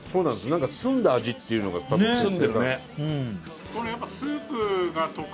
何か澄んだ味っていうのが澄んでるね